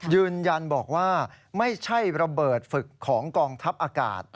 ยืนยันบอกว่าไม่ใช่ระเบิดฝึกของกองทัพอากาศ